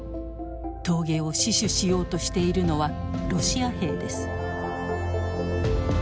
峠を死守しようとしているのはロシア兵です。